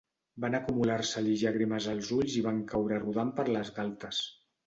Van acumular-se-li llàgrimes als ulls i van caure rodant per les galtes.